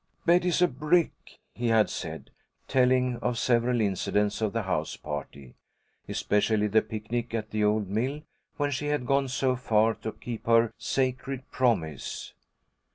"Betty's a brick!" he had said, telling of several incidents of the house party, especially the picnic at the old mill, when she had gone so far to keep her "sacred promise."